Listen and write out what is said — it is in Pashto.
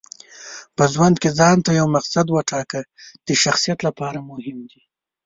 په ژوند کې ځانته یو مقصد ټاکل د شخصیت لپاره مهم دي.